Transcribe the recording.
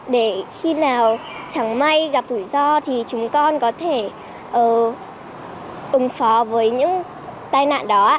để khi nào chẳng may gặp rủi ro thì chúng con có thể ủng phó với những tai nạn đó